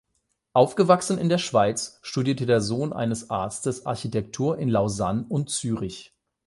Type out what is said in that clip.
Aufgewachsen in der Schweiz, studierte der Sohn eines Arztes Architektur in Lausanne und Zürich.